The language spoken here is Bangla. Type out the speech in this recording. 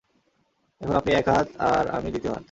এখন আপনি এক হাত, আর আমি দ্বিতীয় হাত।